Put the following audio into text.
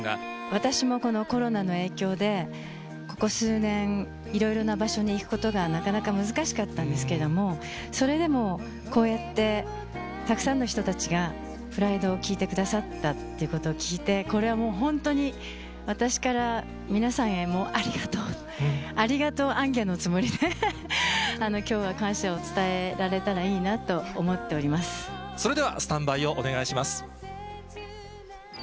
私もこのコロナの影響で、ここ数年、いろいろな場所に行くことがなかなか難しかったんですけども、それでも、こうやってたくさんの人たちがＰＲＩＤＥを聴いてくださっていうことを聞いて、これはもう、本当に、私から皆さんへも、ありがとう、ありがとう行脚のつもりで、きょうは感謝を伝えられそれではスタンバイをお願いします。